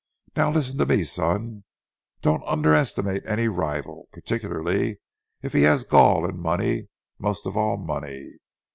Now, listen to me, son: Don't underestimate any rival, particularly if he has gall and money, most of all, money.